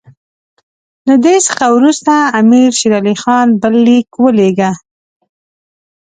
له دې څخه وروسته امیر شېر علي خان بل لیک ولېږه.